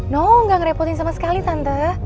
noh nggak ngerepotin sama sekali tante